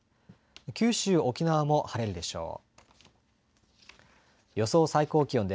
九州、沖縄も晴れるでしょう。